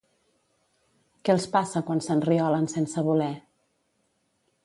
Què els passa quan s'enriolen sense voler?